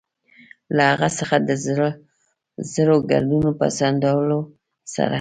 له هغه څخه د زړو ګردونو په څنډلو سره.